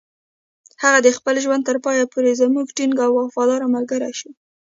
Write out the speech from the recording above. هغه د خپل ژوند تر پایه پورې زموږ ټینګ او وفادار ملګری شو.